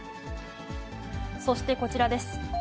そしてこちらです。